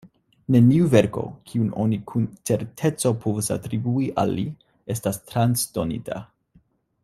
Neniu verko, kiun oni kun certeco povus atribui al li, estas transdonita.